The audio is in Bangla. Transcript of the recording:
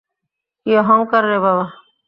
কী অহংকার রে বাবা।